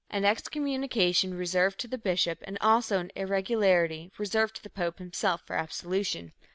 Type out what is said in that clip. and excommunication reserved to the bishop and also an 'irregularity' reserved to the Pope himself for absolution."